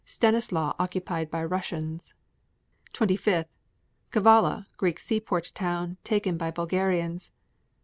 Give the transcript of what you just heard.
Stanislau occupied by Russians. 25. Kavala, Greek seaport town, taken by Bulgarians.